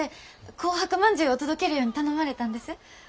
紅白まんじゅうを届けるように頼まれたんです。